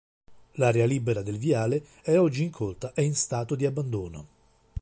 L'area libera del viale è oggi incolta e in stato di abbandono.